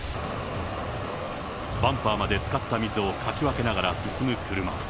バンパーまでつかった水をかき分けながら進む車。